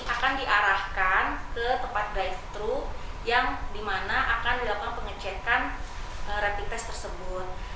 akan diarahkan ke tempat drive thru yang dimana akan dilakukan pengecekan rapid test tersebut